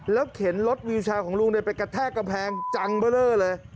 เข็นรถวิวแชร์ของลุงไปกระแทกกำแพงจังเบอร์เลอร์เลย